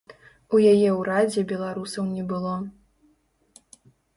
У яе ўрадзе беларусаў не было.